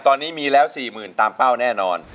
ตอนนี้มีแล้ว๔๐๐๐ตามเป้าแน่นอน